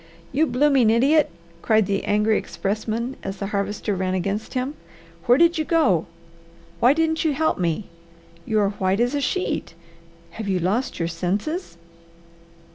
"You blooming idiot!" cried the angry expressman as the Harvester ran against him, "where did you go? Why didn't you help me? You are white as a sheet! Have you lost your senses?"